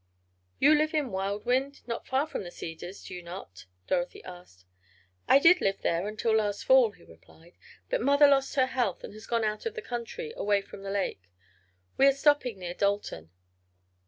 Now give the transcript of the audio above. "You live in Wildwind—not far from the Cedars; do you not?" Dorothy asked. "I did live there until last Fall," he replied. "But mother lost her health, and has gone out in the country, away from the lake. We are stopping near Dalton."